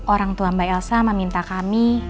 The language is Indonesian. orang tua mbak elsa meminta kami